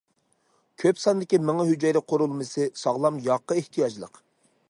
كۆپ ساندىكى مېڭە ھۈجەيرە قۇرۇلمىسى ساغلام ياغقا ئېھتىياجلىق.